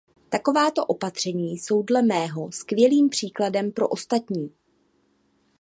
Takováto opatření jsou dle mého skvělým příkladem pro ostatní.